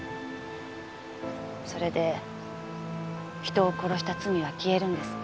それで人を殺した罪は消えるんですか？